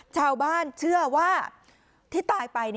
ชาวบ้านเชื่อว่าที่ตายไป